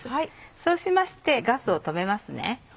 そうしましてガスを止めます。